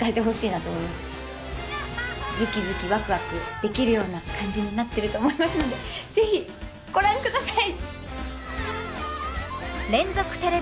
ズキズキワクワクできるような感じになってると思いますので是非ご覧ください！